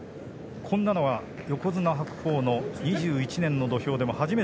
こんなのは横綱白鵬の２１年の土俵でも初めて見ます。